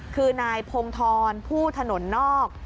คือนายพงธรผู้ถนนนอก